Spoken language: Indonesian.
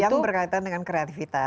yang berkaitan dengan kreativitas